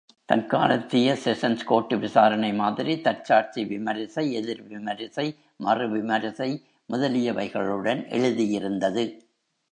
தற்காலத்திய sessions court விசாரணை மாதிரி தற்சாட்சி விமரிசை, எதிர் விமரிசை, மறு விமரிசை முதலியவைகளுடன் எழுதியிருந்தது!